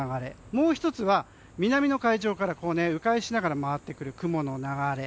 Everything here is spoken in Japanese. もう１つは南の海上から迂回しながら回ってくる雲の流れ。